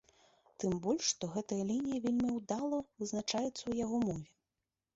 Тым больш што гэтая лінія вельмі ўдала вызначаецца ў яго мове.